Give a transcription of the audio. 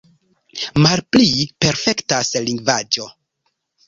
Malpli perfektas lingvaĵo.